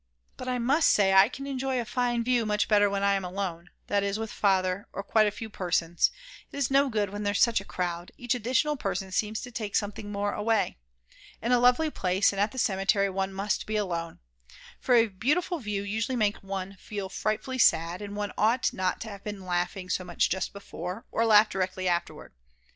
But I must say I can enjoy a fine view much better when I am alone, that is with Father or quite a few persons; it is no good when there's such a crowd; each additional person seems to take something more away. In a lovely place and at the cemetery one must be alone. For a beautiful view usually makes one feel frightfully sad, and one ought not to have been laughing so much just before, or laugh directly afterwards.